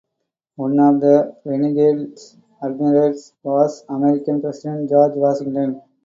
One of Reinagle's admirers was American President George Washington.